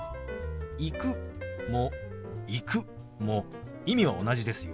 「行く」も「行く」も意味は同じですよ。